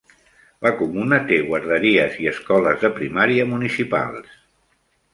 La comuna té guarderies i escoles de primària municipals.